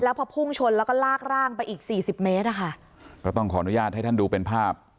พอพุ่งชนแล้วก็ลากร่างไปอีกสี่สิบเมตรอะค่ะก็ต้องขออนุญาตให้ท่านดูเป็นภาพ